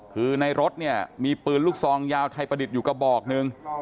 คือในรถเนี่ยมีปืนลูกซองยาวไทยประดิษฐ์อยู่กระบอกหนึ่ง